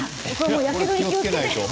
やけどに気をつけて。